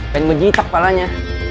pengen gue gitak palanya